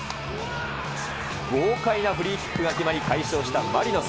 豪快なフリーキックが決まり、快勝したマリノス。